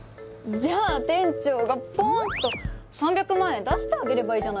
じゃあ店長がポンと３００万円出してあげればいいじゃないですか。